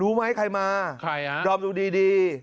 รู้ไหมใครมารอบดูดี